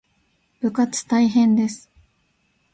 部活大変です